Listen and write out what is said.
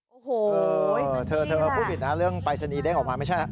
โอ้โหเธอเธอคู่ผิดอ่ะเรื่องใบสลิปจะหน้าผิดได้หมดน่ะ